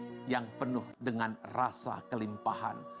hidup yang penuh dengan rasa kelimpahan